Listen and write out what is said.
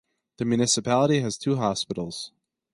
The municipality has two hospitals.